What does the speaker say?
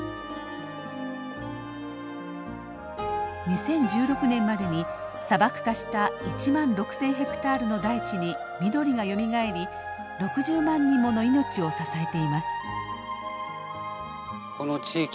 ２０１６年までに砂漠化した１万６，０００ヘクタールの大地に緑がよみがえり６０万人もの命を支えています。